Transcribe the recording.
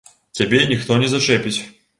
Цябе ніхто не зачэпіць.